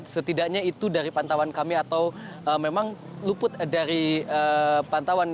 setidaknya itu dari pantauan kami atau memang luput dari pantauan